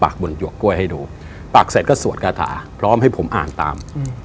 แล้วก็ปักบนหยั่วก้วยให้ดูปักเสร็จก็สวดกาถาพร้อมให้ผมอ่านตาม